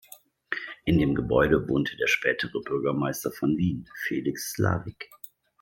In dem Gebäude wohnte der spätere Bürgermeister von Wien, Felix Slavik.